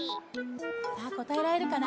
さあこたえられるかな？